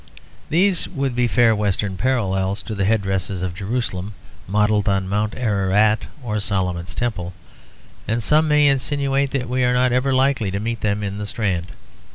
These would be fair Western parallels to the head dresses of Jerusalem; modelled on Mount Ararat or Solomon's Temple, and some may insinuate that we are not very likely ever to meet them in the Strand.